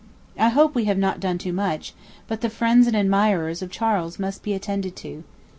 I hope we have not done too much, but the friends and admirers of Charles must be attended to.